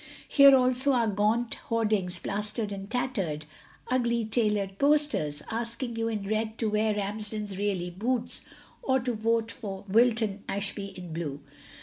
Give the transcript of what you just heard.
Here also are gaunt hoardings plastered with tattered, ugly colored posters, asking you in red to wear Ramsden's Really Boots or to Vote for Wilton Ashby in blue.